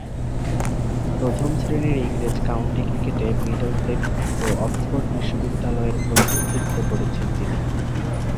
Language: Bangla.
প্রথম-শ্রেণীর ইংরেজ কাউন্টি ক্রিকেটে মিডলসেক্স ও অক্সফোর্ড বিশ্ববিদ্যালয়ের প্রতিনিধিত্ব করেছেন তিনি।